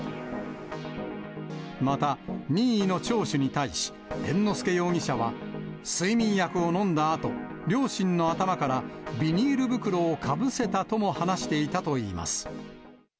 また、任意の聴取に対し、猿之助容疑者は、睡眠薬を飲んだあと、両親の頭からビニール袋をかぶせたとも話していたといいます。